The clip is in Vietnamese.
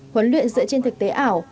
huấn luyện dựa trên thực tế ảo